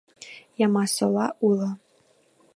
Ямасола уло.